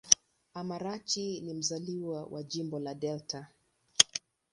Amarachi ni mzaliwa wa Jimbo la Delta.